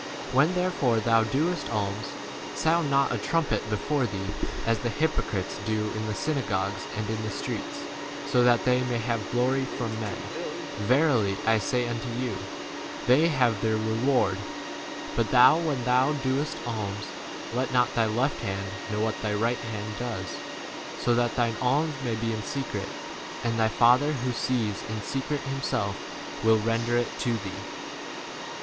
When therefore thou doest alms, sound not a trumpet before thee, as the hypocrites do in the synagogues and in the streets, so that they may have glory from men. Verily I say unto you, They 3 have c their reward. But thou, when thou doest alms, let not thy left hand know what thy right 4 hand does ; so that thine alms may be in secret, and thy Father who sees in secret himself will render [it] to thee.